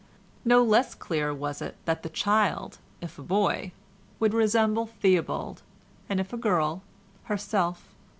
No less clear was it that the child, if a boy, would resemble Theobald, and if a girl, herself.